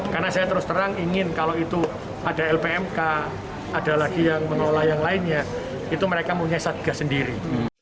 karena saya terus terang ingin kalau itu ada lpmk ada lagi yang mengelola yang lainnya itu mereka punya sadga sendiri